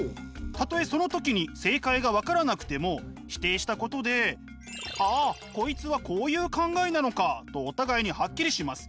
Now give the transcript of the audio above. たとえその時に正解が分からなくても否定したことで「ああこいつはこういう考えなのか」とお互いにハッキリします。